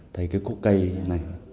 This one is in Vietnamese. thấy cái cúc cây này